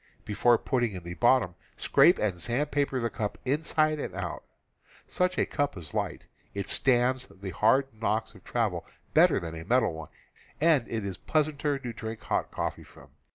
Before putting in the bottom, scrape and sandpaper the cup inside and out. Such a cup is light, it stands the hard knocks of travel better than a metal one, and it is pleasanter to LP Fig. 22. Horn Cup. drink hot coffee from.